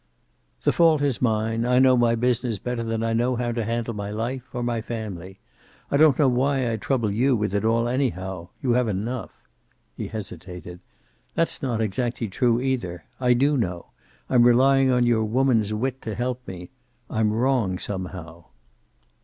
"The fault is mine. I know my business better than I know how to handle my life, or my family. I don't know why I trouble you with it all, anyhow. You have enough." He hesitated. "That's not exactly true, either. I do know. I'm relying on your woman's wit to help me. I'm wrong somehow."